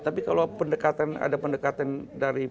tapi kalau ada pendekatan dari pak prabowo rasanya